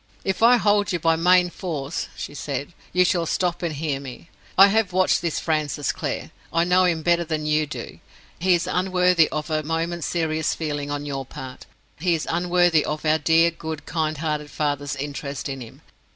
"If I hold you by main force," she said, "you shall stop and hear me. I have watched this Francis Clare; I know him better than you do. He is unworthy of a moment's serious feeling on your part; he is unworthy of our dear, good, kind hearted father's interest in him.